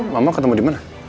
mama ketemu di mana